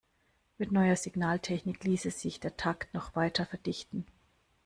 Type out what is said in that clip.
Mit neuer Signaltechnik ließe sich der Takt noch weiter verdichten.